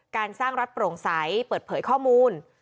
การสร้างรัฐโปร่งใสเปิดเผยข้อมูล